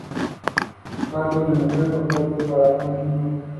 La acusación se desarrolló en dos capítulos.